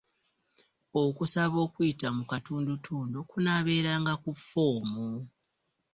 Okusaba okuyita mu katundutundu kunaaberanga ku ffoomu.